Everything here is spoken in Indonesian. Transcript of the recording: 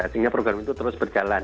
sehingga program itu terus berjalan